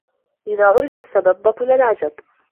إذا عُرِفَ السبب بطل العجب